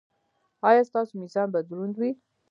ایا ستاسو میزان به دروند وي؟